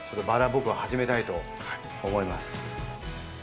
僕も始めたいと思います。